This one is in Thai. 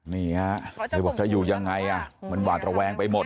นี่ฮะเธอบอกจะอยู่ยังไงมันหวาดระแวงไปหมด